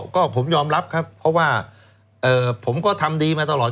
ก็ผมยอมรับครับเพราะว่าผมก็ทำดีมาตลอด